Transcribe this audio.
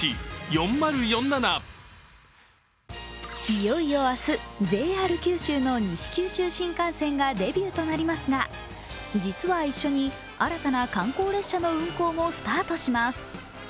いよいよ明日、ＪＲ九州の西九州新幹線がデビューとなりますが実は一緒に新たな観光列車の運行もスタートします。